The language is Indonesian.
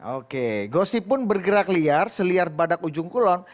oke gosip pun bergerak liar seliar badak ujung kulon